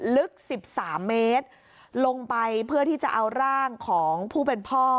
ลึก๑๓เมตรลงไปเพื่อที่จะเอาร่างของผู้เป็นพ่อ